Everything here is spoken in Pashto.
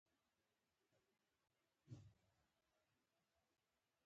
ما د هغوی وړاندیزونه رد کړل.